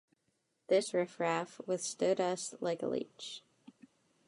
This riffraff withstood us like a leech.